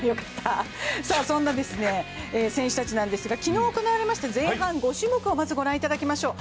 そんな選手たちなんですが、昨日行われました前半５種目をまず御覧いただきましょう。